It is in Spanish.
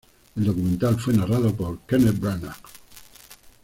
El documental fue narrado por Kenneth Branagh.